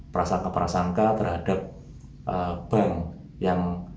perasaan keperasangka terhadap bank yang